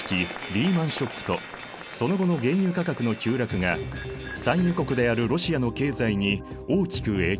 リーマン・ショックとその後の原油価格の急落が産油国であるロシアの経済に大きく影響。